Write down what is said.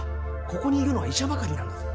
ここにいるのは医者ばかりなんだぞ。